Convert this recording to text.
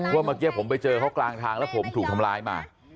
ว่าเมื่อกี้ผมไปเจอเขากลางทางแล้วผมถูกทำร้ายมา